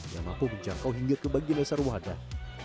yang mampu menjangkau hingga ke bagian dasar wadah